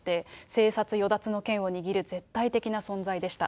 生殺与奪の権を握る絶対的な存在でした。